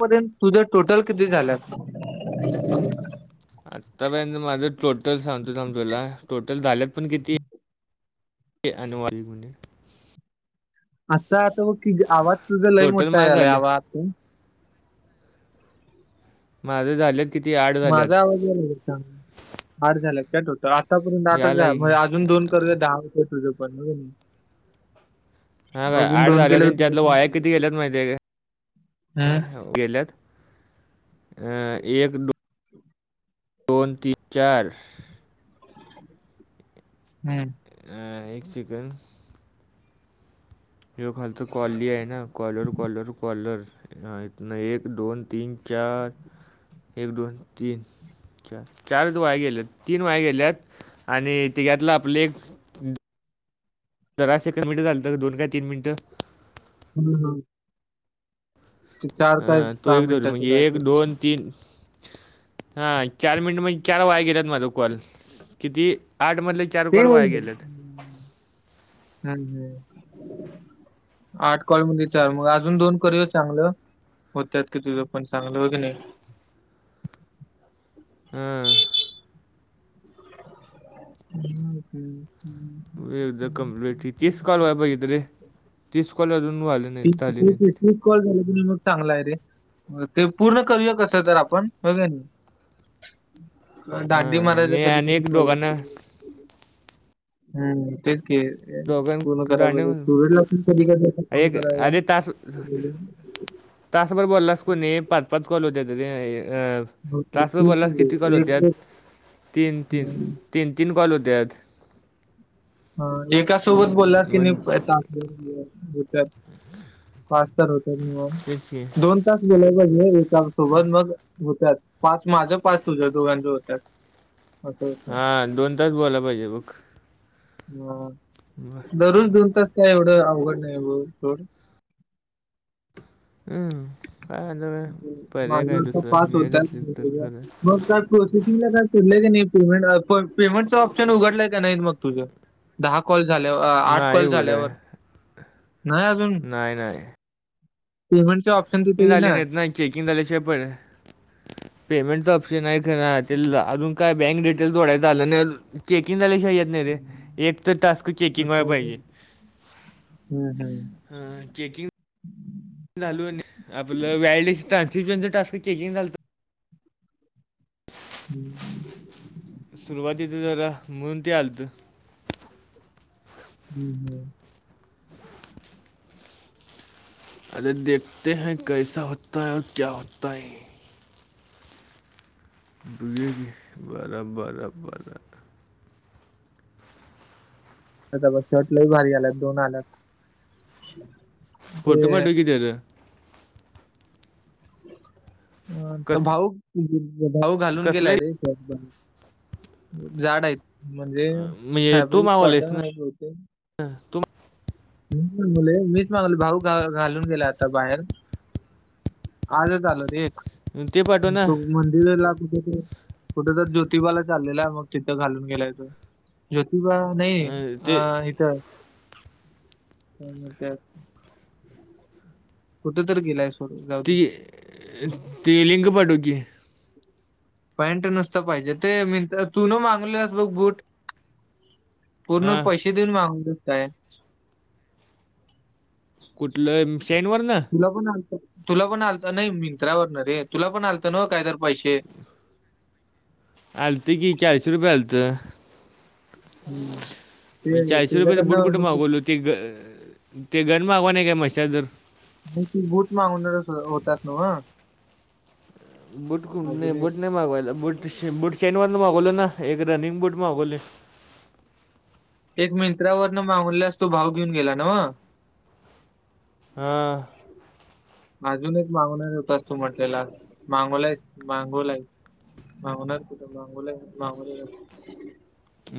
पर्यत तुझं टोटल किती झाल्यात? आत्ता पर्यंत माझं टोटल सांगतो थांब तुला टोटल झाल्यात पण किती? हे अनुवार्य गून्हे आता असं बघ कि आवाज तुझा लय टोटल मोठा माझं यालाय झाले आवातून माझं झालेत माझा आवाज यालाय काय सांग आठ झाल्यात काय टोटल आठ आतापर्यंत आठचं यायला झालं की म्हणजे होय अजून दोन करुया दहा हुत्यात तुझं पण होनी. हां काय अजून आठ दोन झाल्यात केले आणि कि त्यातलं वाया किती गेल्यात तुझंपण माहिती आहे हा का गेल्यात एक दो दोन, तीन, चार हम्म अ एक सेकंद ह्यो खालचं कॉल्ली आहे ना कॉलर कॉलर कॉलर ह हितन एक दोन, तीन, चार, एक, दोन, तीन चा चारचं वाया गेल्यात तीन वाया गेल्यात आणि त्याच्यातलं आपलं एक जरासे कमी झालतं दोन काय तीन मिनिटं. [unintelligible] ते चार काय अं तु सहा एक धर मिनिटाचं म्हणजे काय एक, तर असेल. दोन, तीन हा चार मिनिट म्हजी चार वाया गेल्यात माझ कॉल किती आठ मधलं [unintelligible] आठ कॉल म्हणजे चार मग अजून दोन करुया चांगलं?? होत्यात की तुझं पण चांगलं हो की नाही? हं [unintelligible] एकदा हम्म. कम्प्लीट ते तीस कॉल व्हाय पाहिजेत रे तीस कॉल अजून व्हायले तीस नाईत झालं नाहीत. तीस- तीस कॉल झालं कि नाही ग चांगल हाय रे ते पूर्ण करूया कसं तर आपण होय कनी. दांडी हां मी मारायच कधी आणि कधी एक कॉलेज दोघांना हा तेच कि दोघां पूर्ण कराय दांडे पाहिजे सुरजला पण कधी कधी फोन एक करायचा? अरे तास तासभर बोललास कुनय पाच पाच कॉल हुत्यात रे अ होतं. तासभर तेच बोलास तर की किती कॉल एक हुत्यात एक तीन तीन तीन तीन कॉल हुत्यात ह एका सोबत बोललास की नाही मग ब बतर फस् तर होत म [inaudible] तेच कि आत्ताच गेलं पाहिजे एका सोबत मग होत्यात. पाच माझं पाच तुझ दोघांच होतात? असं होतं. हा दोन तास बोलाय पाहिजे बघ. बर ह दरोज दोन तास काय एवढं अवघड नाही बघ सोड हम् काय आता काय पर्याय काय माझं आता दुसररं मिळत असली तर करूया प्रोसेसिंग ला काय सोडलय का नई, पेमेट वर पेमेंटच ऑप्शन उघडलाय का नाही बघ तुझं? दहा कॉल झाल्यावर, अ आठ नाही कॉल उघड झाल्यावर न्हाय अजून. नाय, नाय. पेमेंटचे ऑप्शन दि चेकिंग झाले नाहीत ना, चेकिंग झाल्याशिवाय पर पेमेंटच ऑप्शन आहे दिलं नाशिलं अजून काय बँक डिटेल जोडायचं आलं नाही अजून, चेकिंग झाल्याशिवाय येत नाही रे, हम्म. एक तर टास्क चेकिंग आता व्हाया पाहिजे. अजून- हम्म, हम्म. अं चेकिंग चालू आहे ना, आपलं व्हॅलिडेशन ट्रांजक्शन च टास्क चेकिंग झालत. [inaudible] सुरुवातीचं जरा म्हणून ते आलतं. हम् -हम्, अरे देखते है कैसा होता है और क्या होता है? तुझे बी बारा, बारा, बारा. त्याचा बघ शर्ट लैयभारी आल्यात दोन आल्यात. फोटो ते पाठवं की त्याचं. त कस भाऊ, भाऊ घालून गेलाय कसलं रे. [inaudible] जाड आहेत. म्हणजे म्हणजे फॅब्रिक कॉटन हाय बहुतेक.. ह तु मुले मीच मागायलोय भाऊ घा घालून गेला आता बाहेर. आजच आलं रे एक. ते पाठव ना? तो मंदिरला कुठं?, कुठं तर ज्योतिबाला चाललेला आहे मग तिथं घालून गेलाय तो. ज्योतिबा नाही, अं, अ. ते हे त्य हं म त्य कुठे तर गेलाय, सोड जाऊ दे ती, ती लिंक पाठव की. पॅन्ट नसतं पाहिजे ते मीन तू नं मागवल्यात बघ बूट. पूर्ण हां पैशे देऊन मागवू काय? कुठलं म सेंन वरन? तुला पण आलंत नयी मिनंत्रा बघ ना रे, तुला पण आलत नाव् काय तर पैशे? आलंत की, चारशे रुपये आलंत. हम्म. म ते चारशे रुपयचं बुट तुझ्याकडनं कुठे म्हणजे मागवलत? ते ग ते गन मागवाय नाही का मशादर नाही तू बूट मागवणार होतास नव्ह? बूट नाय, अजून एक बूट नाही मागवायला बूट, बूट शेन वरण मागवलो ना एक रनिंग बूट मागवलेय. एक मिंत्रावरन मागवलेलास तो भाव घेऊन गेला नव्ह? हां, [inaudible] अजून एक मागवनार होतास तू म्हटलेला, माांगवलायेस् मांगोवला आहे. मागणार कुठं मांगोवलाय, मांगवलाय की.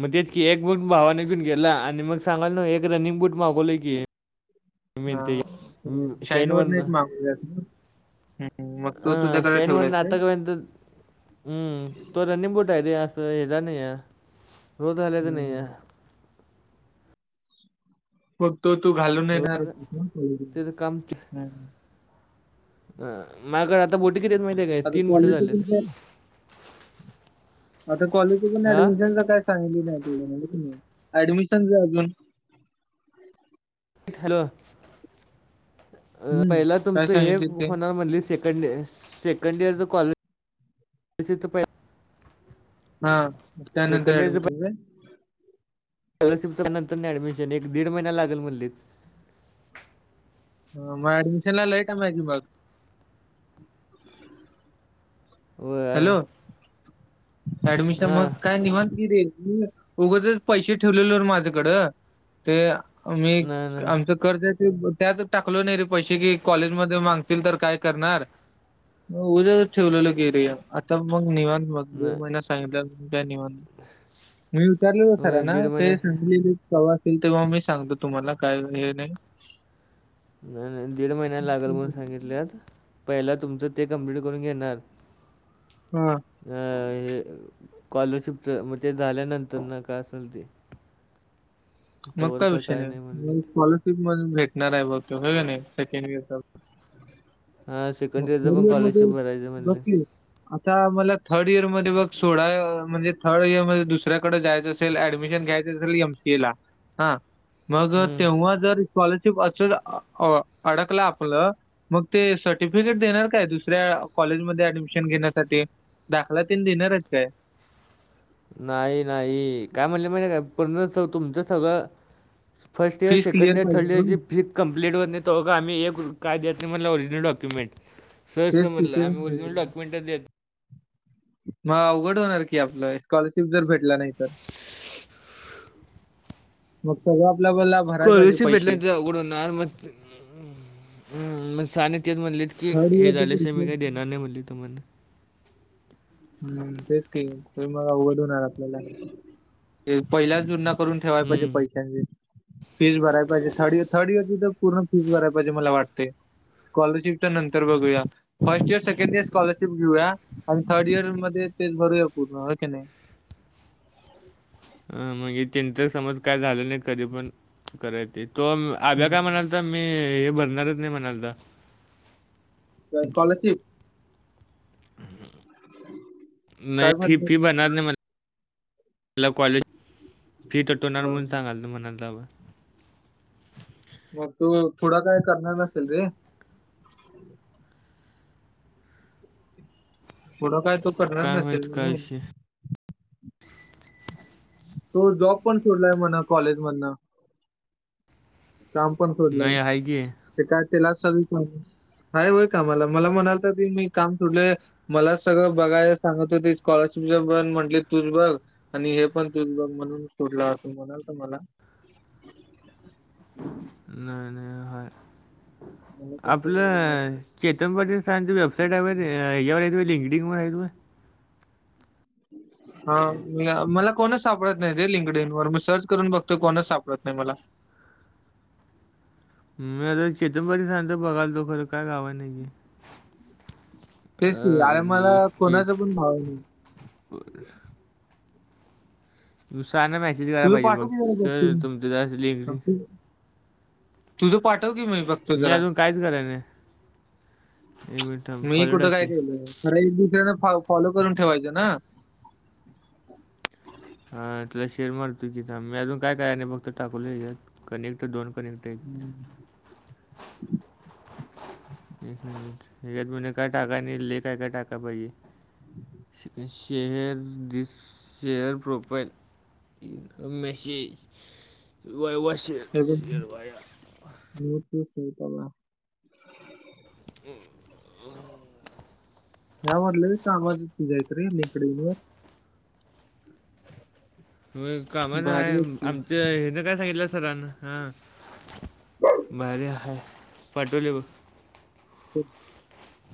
म तेच की एक बुट भावाने घेऊन गेला आणि मग सांगायलो नाव् एक रनिंग बूट मागवलंय की. मी ते हां. शेन शाईनवर वरणं. [inaudible] हं. मग तो अं तुझ्याकडे शेन वरन ठेवलायस काय? आता कवा एंत हम्म तो रनिंग बूट हाय रे असं हेचा नाही ये रोज घालायचा हं, नाहीये. हं. मग तो तू घालून रोज येणार. झालं- त्याचं काम अह माझं आता बूट कितीे हाय माहितीेय काय? आता तीन बूट कॉलेजचं पण झालीत. काय आता कॉलेजच पण ऍडमिशनच काय? [inaudible] ऍडमिशनच अजून हॅलो हं. पहिला काय तुमचं हे हे सांगितली ते? होणार म्हणलीस सेकंडइयर, सेकंड इयरच कॉलेज तीत [inaudible] हा त्यानंतर सेकंड ऍडमिशन व्हय. स्कॉलरशिपच्या नंतर ऍडमिशन एक दीड महिना लागल म्हणली. हो मग अडमिशन लय टाईम आहे की मग व हॅलो ऍडमिशन मग हां काय निवांत [unintelligible] उगाचच पैसे ठेवलेले माझ्याकडं ते मी ना ना आमच कर्ज ते त्यात टाकलो नाही रे पैसे कि कॉलेज मध्ये मागतील तर काय करणार मग उद्या ठेवलेलं गेलिया आता मग निवांत मग दीड नाही महिना सांगितलं द्या निवांत. मी विचारले हो होय सरांना दीड [unintelligible] महिन्या सव असेल तेव्हा मी सांगतो तुम्हाला काय हे नाही अह दीड महिना लागल म्हणून सांगितल्यात पहिला तुमचं ते कंप्लीट करून घेणार हा. अह हे स्कॉलरशिपच म्हणजे ते झाल्यानंतर ना काय असेल ते मग तोवर काय का विषय नाही म्हणले मंग कॉलेज [unintelligible] भेटणार आहे बघ तो का नाही सेकंड इयरचा हां मग सेकंड इयरचं पण थर्डइयर मध्ये स्कॉलरशिप भरायचं म्हणले बसशील आता मला थर्ड इयर मध्ये बग सोळा म्हणजे थर्ड इयर मध्ये दुसऱ्याकडें जायचं त्याला ऍडमिशन घ्यायच असल एम सी ए ला हा, मग हं. तेव्हा जर स्कॉलरशिप असल अह अडकल आपलं मग ते सर्टिफिकेट देणार काय दुसऱ्या कॉलेजमध्ये ऍडमिशन घेण्यासाठी? दाखला तीन देणार आहेत काय? नाही नाही काय म्हणलं माहिती आहे काय पूर्ण तुमचं सगळं first year, fees second clear year, पाहिजे थर्ड इयरची ना फी कंप्लीट होत नाही तोपर्यंत आम्ही एक काय देत नाही म्हणलं ओरिजनल डॉक्युमेंट सर अस तेच की, म्हणलं तेच आम्ही ओरिजनल म्हणलं. डक्युमेंट देत मग अवघड होणार की आपलं, स्कॉलरशिप जर भेटला नाही तर मग सगळं आपल्या बोलला स्कॉलरशिप भेटली नाही तर अवघड होणार म म सानेे तेच म्हणलेत की थर्ड हे इयरचे झालेशिकाय मी पैसे काही देणार नाही म्हणले तुम्हाला हम्म तेच के तर मग अवघड होणार आपल्याला ते पहिल्याच जुना करून ठेवाय पाहिजे हम्म पैशांचे फीस भराय पाहिजे. थर्ड इयर थर्ड इयरची तर पूर्ण फीस भराय पाहीजे मला वाटते स्कॉलरशिपच्या नंतर बघूया. First year, second year scholarship घेऊया थर्ड इयर मध्ये ते भरूया पूर्ण हो की नाही. अह मग त्याच समज काय झालं नाही कधी पण कराय ते तो आगा काय म्हणाला ता मी हे भरणारच नाही म्हणालता काय स्कॉलरशिप? नाही काय फी भरली फी भरणार हा, नाही म्हण ला कॉलेज, फी तटवणार हा, म्हणून हा. सांगाल म्हणाला मग तू पुढ काय करणार नसेल रे. [inaudible] पुढ काय तो करणार काय नसेल माहित काय म्हणून. विषय तो जॉब पण सोडलाय म्हण कॉलेजमधन. काम पण सोडलय. नाही आहे की ते काय त्यालाच सगळी माहिती हाय होय कामाला. मला म्हणालता मी काम सोडल. मला सगळ बघायला सांगत होते. स्कॉलरशिपच पण म्हटले तुच बघ. आणि हे पण तू बघ. म्हणून सोडला असे म्हणाला तो मला. नाही नाही आहे. मला पण काही आपल, एवढं माहित नाही. चेतन पाटील सरांची वेबसाईट आहे वय यावर आहे पाय, लिंक डींक वर आहे पहाय. [inaudible] हा मला कोणच सापडत नाही ते लिंकडीन वर. मी सर्च करून बघतो, कोणच सापडत नाही मला. मी आता चेेतंबरी सांगतो बघाल तो खर काय कामाचा नाहीये. तेच की, आता मला कोणाचा पण भाव नाही. बर सरांना मेसेज कराय तुझं पाहिजे पाठव बघ. की जरा बघतो सर मी. तुमच जरास लिंक डिंक तुझ पाठव की मी बघ मी अजून कायच कराय नाही. एक मिनिट थांब. फॉलो टाक की. खर एक दुसऱ्याना फ फॉलो करून ठेवायच ना. हा तुला शेअर मारतो कि थांब. मी अजून काय काय आणि फक्त टाकवल यांच्यात. कनेक्ट दोन कनेक्ट आहेत हम्म एक म्हणे काय टाका नाही. लय काय काय टाकाय पाहिजे. श शेअर दिस शेअर प्रोफाईल. एक मेसेज, वायवा शेर [unintelligible] हम्म जा म्हटल कामा जायच रे लींक डी वर. व्हय कामाच आहे. भारी तू आमच हेन काय सांगितल सरांना. हा भारी हाय. पाटवले बघ.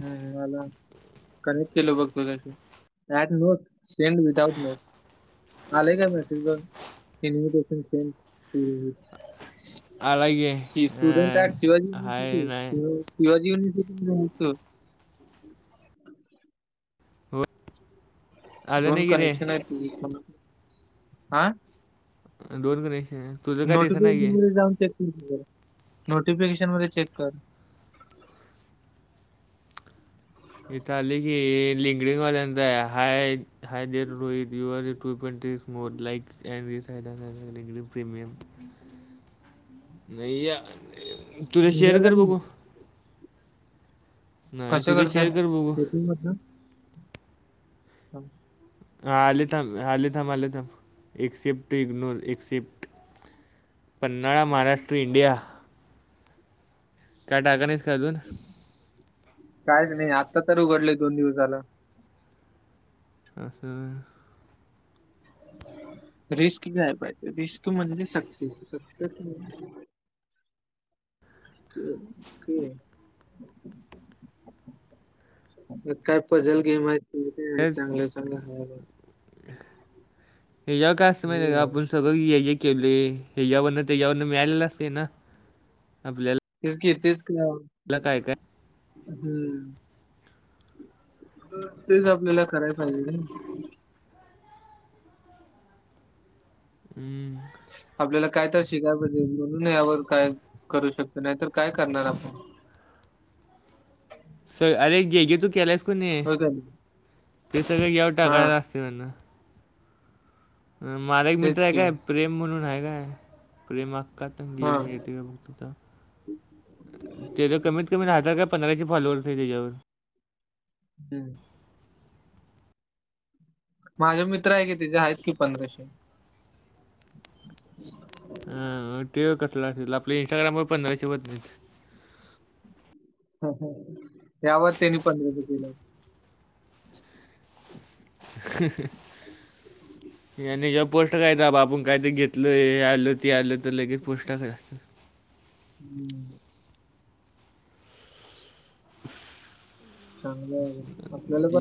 हम्म आल. कनेक्ट केल बघ तुला ते. Right note send without note. आलेय का मेसेज बघ. Invitation send to. आला गे हाय नाही [unintelligible] हो आलं दोन नाही की रे कनेक्शन आहेत. हा दोन कनेक्शन आहे. नोटिफिकेशन मध्ये जाऊन चेक कर. नोटिफिकेशन मध्ये चेक कर. इथ आल की हे लिंगडींग वाल्यांच आहे. हाय हाय रोहित. [unintelligible] नाही या, तुझे शेअर निघालं कर नाही बघू. नाही कसं तुझे शेअर कर करतात बघू. सेटिंग मधनं [inaudible] हा आले थांब. आले थांब. आले थांब. Accept ignore accept Panhala, Maharashtra, India काय टाकाय नाहीस काय अजून? कायच नाही, आत्ता तर उघडलंय दोन दिवस झालं. अस आहे होय. रिस्क घ्यायला पाहिजे. रिस्क म्हणजे सक्सेस सक्सेस. [unintelligible] काय पजल गेम. [unintelligible] त्यात चांगलं आहे चांगल आहे. ह्याच्यावर काय असतं माहित आहे काय, हम्म आपण सगळ केलंय ह्याच्यावरलं त्याच्यावरलं मिळालेल असते ना. आपल्याला तेच कि तेच की. काय काय हम्म. तेच आपल्याला कराय पाहिजे रे. हमं. आपल्याला काय तर शिकायला पाहिजे. म्हणून यावर काय करू शकतोय. नाही तर काय करणार आपण. सग अरे जे जे तू केलायस कणी, होय का नाही ते सगळं यावर हा टाकायचं असतं म्हण. माझा एक मित्र तेच आहे की काय प्रेम म्हणून आहे काय. प्रेम [unintelligible] एक हा मिनट येतय काय बघतो थांब. तेज कमीत कमी हजार काय पंधराशे फॉलोअर्स आहे ह्याच्यावर. हम. माझा मित्र आहे की, त्याचा आहेत की पंधराशे. [inaudible] अ ते कसल आपल्या इन्स्टाग्रामवर पंधराशे होत नाहीत. ह ह. यावर त्यांनी पंधराशे केलं. [inaudible] हं हं. [inaudible] यांनी जेव्हा पोस्ट [unintelligible] आपण काय तर घेतलय हे आलं ते आलं तर लगेच पोस्टा [unintelligible] [inaudible] चांगलंय. आपल्याला पण